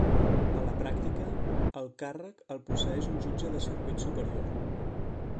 A la pràctica, el càrrec el posseeix un jutge de circuit superior.